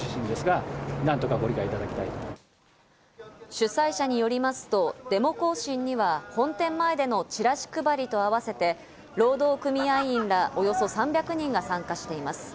主催者によりますと、デモ行進には本店前でのチラシ配りと合わせて労働組合員ら、およそ３００人が参加しています。